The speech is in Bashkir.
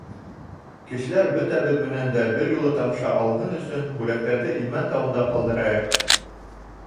Кешеләр бөтәбеҙ менән дә бер юлы таныша алһын өсөн, бүләктәрҙе Илмән тауында ҡалдырайыҡ.